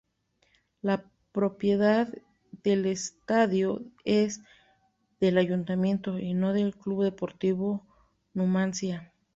La propiedad del estadio es del ayuntamiento, y no del Club Deportivo Numancia.